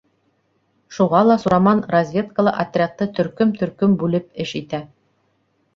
Шуға ла Сураман разведкала отрядты төркөм-төркөм бүлеп эш итә.